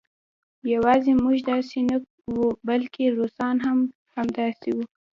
یوازې موږ داسې نه وو بلکې روسان هم همداسې وو